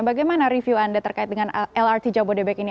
bagaimana review anda terkait dengan lrt jabodebek ini